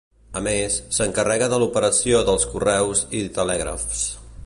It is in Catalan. A més, s'encarrega de l'operació dels correus i telègrafs.